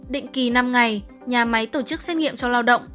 định kỳ năm ngày nhà máy tổ chức xét nghiệm cho lao động